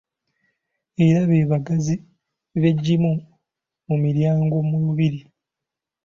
Era be baggazi b’egimu ku miryango mu lubiri.